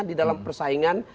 di dalam persaingan